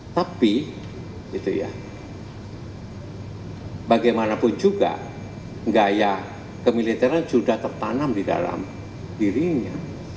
tapi bagaimanapun juga gaya kemiliteran sudah tertanam di dalam dirinya